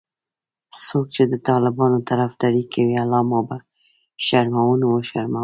څوک چې د طالبانو طرفدارې کوي الله مو به شرمونو وشرموه😖